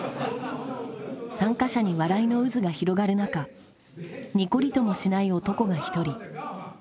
参加者に笑いの渦が広がる中にこりともしない男が一人。